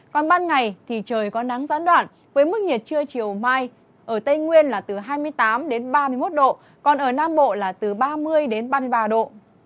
còn ban ngày thì trời có nắng gián đoạn với mức nhiệt trưa chiều mai ở tây nguyên là từ hai mươi tám đến ba mươi một độ còn ở nam bộ là từ ba mươi đến ba mươi ba độ